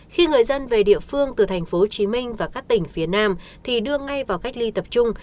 khi người dân về địa phương từ tp hcm và các tỉnh phía nam thì đưa ngay vào cách ly tập trung